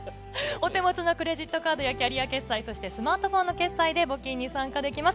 お手元のクレジットカードやキャリア決済、そしてスマートフォンの決済で募金に参加できます。